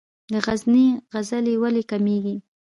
د غزني غزې ولې کمیږي؟